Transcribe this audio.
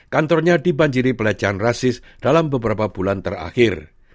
kantornya dibanjiri pelecehan rasis dalam beberapa bulan terakhir